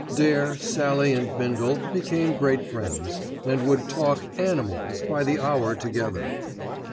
Dare, Sallie, and Bindle became great friends, and would talk "animals" by the hour together.